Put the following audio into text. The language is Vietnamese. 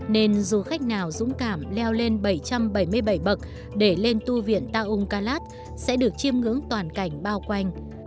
nên du khách nào dũng cảm leo lên bảy trăm bảy mươi bảy bậc để lên tu viện taung kalat sẽ được chiêm ngưỡng toàn cảnh bao quanh